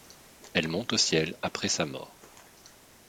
Elle monte au ciel après sa mort.